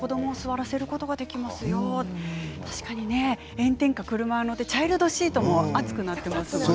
炎天下、車に乗ってチャイルドシートも熱くなっていますものね。